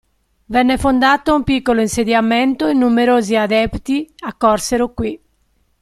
Venne fondato un piccolo insediamento e numerosi adepti accorsero qui.